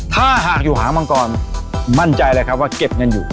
ถ้าหากอยู่หามังกรมั่นใจเลยครับว่าเก็บเงินอยู่